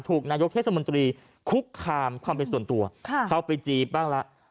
นายกเทศมนตรีคุกคามความเป็นส่วนตัวเข้าไปจี๊บบ้างละ